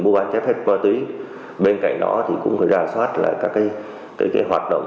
mua bán chép phép ma túy bên cạnh đó cũng phải ra soát các hoạt động